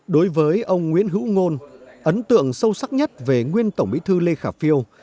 đối với ông nguyễn hữu ngôn ấn tượng sâu sắc nhất về nguyên tổng bí thư lê khả phiêu